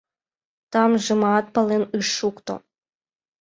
Тамжымат пален ыш шукто.